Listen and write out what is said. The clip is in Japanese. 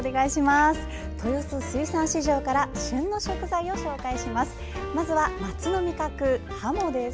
豊洲水産市場から旬の食材を紹介します。